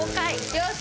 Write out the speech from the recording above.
よし！